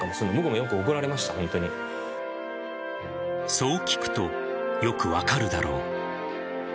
そう聞くと、よく分かるだろう。